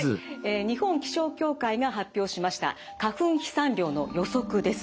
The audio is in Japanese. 日本気象協会が発表しました花粉飛散量の予測です。